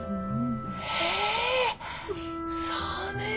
へえそうね。